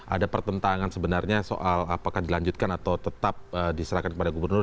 ada pertentangan sebenarnya soal apakah dilanjutkan atau tetap diserahkan kepada gubernur